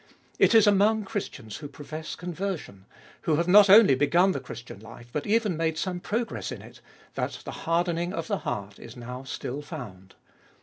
It is among Christians who profess conversion, who have not only begun the Christian life, but even made some progress in it, that the hardening of the heart is now still found.